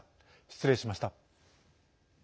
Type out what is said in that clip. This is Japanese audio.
失礼しました。